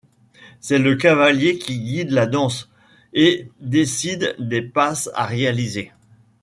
C'est le cavalier qui guide la danse et décide des passes à réaliser.